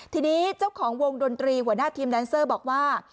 ทีนี้เจ้าของวงดนตรีหัวหน้าทีมแดนเซอร์บอกว่า